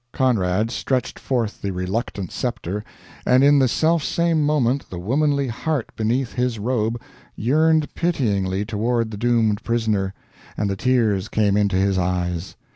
Conrad stretched forth the reluctant sceptre, and in the selfsame moment the womanly heart beneath his robe yearned pityingly toward the doomed prisoner, and the tears came into his eyes.